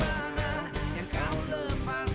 jangan sama dengan hal yang yg jelas